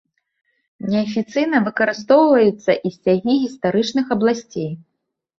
Неафіцыйна выкарыстоўваюцца і сцягі гістарычных абласцей.